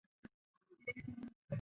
归国后任绥远都统公署秘书长。